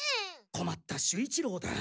こまった守一郎だ。